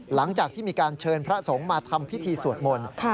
หลังจากที่มีการเชิญพระสงฆ์มาทำพิธีสวดมนต์